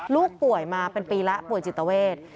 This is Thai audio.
ลูกป่วยมาเป็นปีแล้วป่วยจิตเวท